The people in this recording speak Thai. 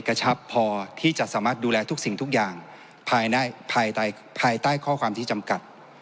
กระชับพอที่จะสามารถดูแลทุกสิ่งทุกอย่างภายใต้ข้อความที่จำกัด